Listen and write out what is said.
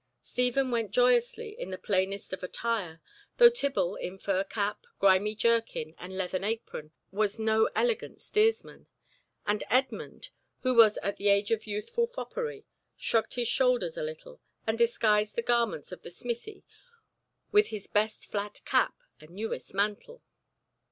Stephen went joyously in the plainest of attire, though Tibble in fur cap, grimy jerkin, and leathern apron was no elegant steersman; and Edmund, who was at the age of youthful foppery, shrugged his shoulders a little, and disguised the garments of the smithy with his best flat cap and newest mantle.